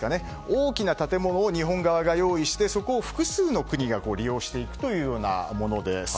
大きな建物を日本側が用意してそこを複数の国が利用していくというようなものです。